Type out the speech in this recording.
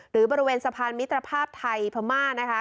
หรือบริเวณสะพานมิตรภาพไทยพม่านะคะ